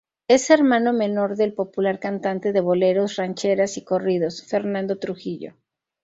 Es hermano menor del popular cantante de boleros, rancheras y corridos, Fernando Trujillo.